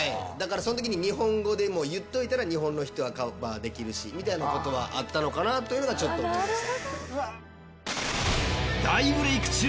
その時に日本語でも言っといたら日本の人はカバーできるしみたいなことはあったのかなというのはちょっと思いました。